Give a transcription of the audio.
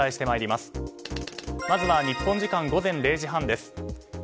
まずは日本時間午前０時半です。